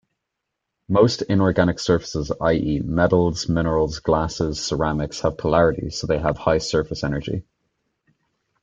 Most inorganic surfaces-i.e., metals, minerals, glasses, ceramics-have polarity so they have high surface energy.